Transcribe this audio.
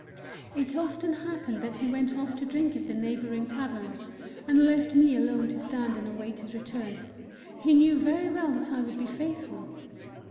It often happened that he went off to drink at the neighbouring taverns, and left me alone to stand and await his return he knew very well that I would be faithful!